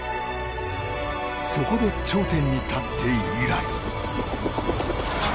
そこで頂点に立って以来。